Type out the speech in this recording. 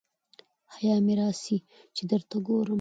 حیا مي راسي چي درته ګورم